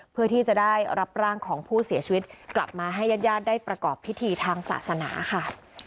เพื่อที่จะได้รับร่างของผู้เสียชีวิตกลับมาให้ญาติญาติได้ประกอบพิธีทางศาสนาค่ะ